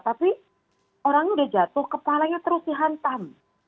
tapi orangnya udah jatuh kepalanya terus dihantam